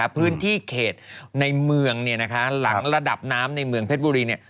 พื้นที่เขตในเมืองหลังระดับน้ำในเมืองเพชรบุรี